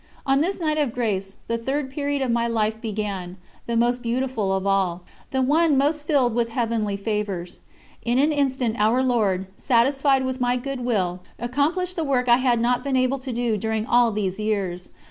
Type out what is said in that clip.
On this night of grace, the third period of my life began the most beautiful of all, the one most filled with heavenly favours. In an instant Our Lord, satisfied with my good will, accomplished the work I had not been able to do during all these years.